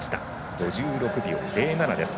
５６秒０７です。